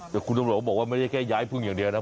แต่คุณตำรวจบอกว่าไม่ได้แค่ย้ายพึ่งอย่างเดียวนะ